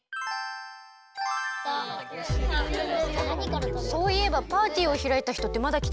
そういえばパーティーをひらいたひとってまだきてないよね？